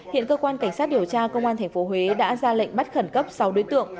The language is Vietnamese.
hiện cơ quan cảnh sát điều tra công an tp huế đã ra lệnh bắt khẩn cấp sáu đối tượng